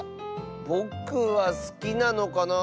ぼくはすきなのかなあ。